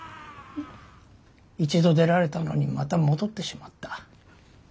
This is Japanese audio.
一度出られたのにまた戻ってしまった。